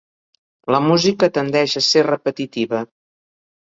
La música tendeix a ser repetitiva.